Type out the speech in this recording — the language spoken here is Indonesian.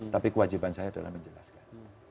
tapi kewajiban saya adalah menjelaskan